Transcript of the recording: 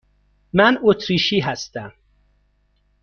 من اتریشی هستم.